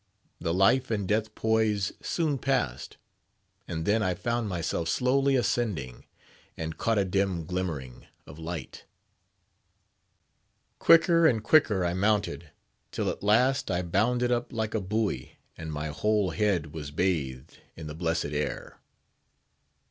The life and death poise soon passed; and then I found myself slowly ascending, and caught a dim glimmering of light. Quicker and quicker I mounted; till at last I bounded up like a buoy, and my whole head was bathed in the blessed air.